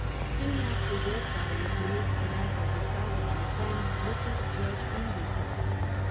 Soon after this, I was made glad by the sight of my friend, Mrs. Judge Ingersol.